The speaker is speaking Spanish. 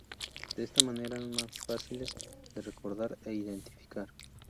De esta manera eran más fáciles de recordar e identificar.